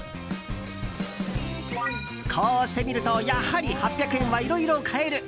こうして見るとやはり８００円はいろいろ買える。